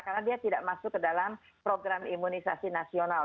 karena dia tidak masuk ke dalam program imunisasi nasional